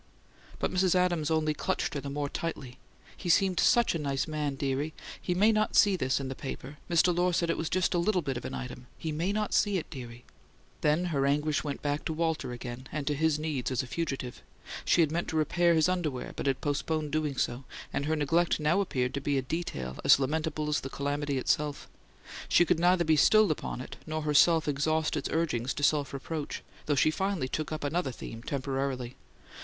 But Mrs. Adams only clutched her the more tightly. "He seemed SUCH a nice young man, dearie! He may not see this in the paper Mr. Lohr said it was just a little bit of an item he MAY not see it, dearie " Then her anguish went back to Walter again; and to his needs as a fugitive she had meant to repair his underwear, but had postponed doing so, and her neglect now appeared to be a detail as lamentable as the calamity itself. She could neither be stilled upon it, nor herself exhaust its urgings to self reproach, though she finally took up another theme temporarily.